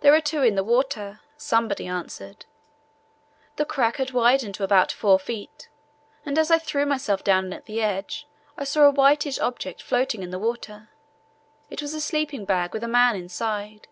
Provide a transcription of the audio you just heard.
"There are two in the water," somebody answered. The crack had widened to about four feet, and as I threw myself down at the edge, I saw a whitish object floating in the water. It was a sleeping bag with a man inside.